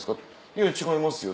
「いや違いますよ」。